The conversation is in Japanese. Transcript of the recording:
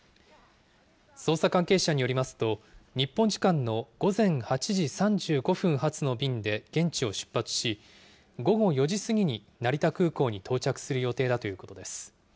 捜査関係者によりますと、日本時間の午前８時３５分発の便で現地を出発し、午後４時過ぎに成田空港に到着する予定だということです。